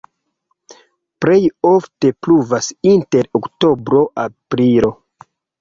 Plej ofte pluvas inter oktobro-aprilo.